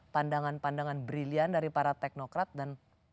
pandangan pandangan brilian dari para teknokrat dan